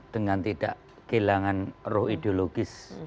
dengan tidak kehilangan roh ideologis